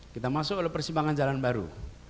kita masuk oleh persimpangan jalan baru